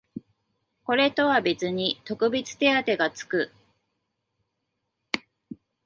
これとは別に特別手当てがつく